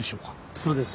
そうです。